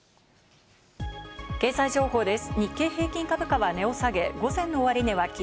経済情報です。